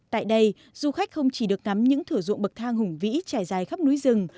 tại đây du khách không chỉ được ngắm những thửa ruộng bậc thang hùng vĩ trải dài khắp núi rừng